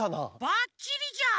ばっちりじゃん！